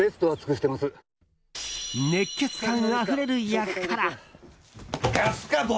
熱血漢あふれる役から。